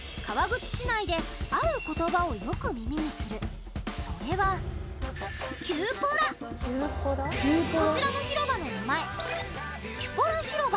川口市内である言葉をよく耳にするそれはこちらの広場の名前